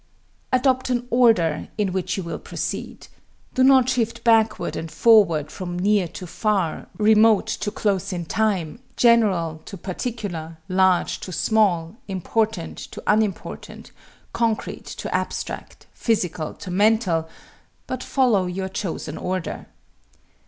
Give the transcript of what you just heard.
Adopt an order in which you will proceed do not shift backward and forward from near to far, remote to close in time, general to particular, large to small, important to unimportant, concrete to abstract, physical to mental; but follow your chosen order.